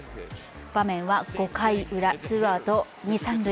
場面は５回ウラ、ツーアウト二・三塁。